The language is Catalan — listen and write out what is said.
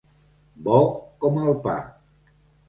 Bo com el pa.